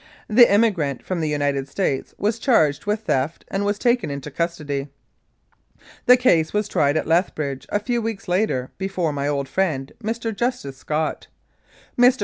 The immi grant from the United States was charged with theft and was taken into custody. The case was tried at Lethbridge a few weeks later before my old friend, Mr. Justice Scott. Mr.